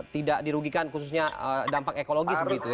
tidak dirugikan khususnya dampak ekologis begitu ya